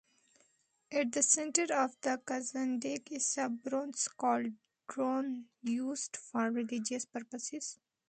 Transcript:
At the center of the "Kazandyk" is a bronze cauldron, used for religious purposes.